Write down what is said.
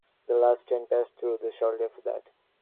The last train passed through shortly after that.